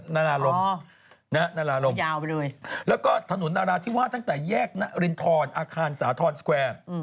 นาราลมนาราลมแล้วก็ถนนนาราที่ว่าตั้งแต่แยกรินทรอาคารสาธรณ์สแควร์